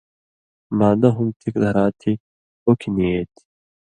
معدہ ہُم ٹھِک دھرا تھی، اوکیۡ نی اےتھی۔